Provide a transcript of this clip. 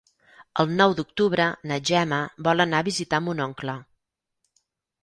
El nou d'octubre na Gemma vol anar a visitar mon oncle.